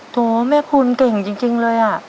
โถแม่คุณเก่งจริงเลยอ่ะ